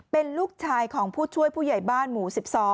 เป็นลูกชายของผู้ช่วยผู้ใหญ่บ้านหมู่๑๒